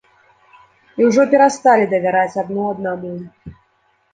І ўжо перасталі давяраць адно аднаму.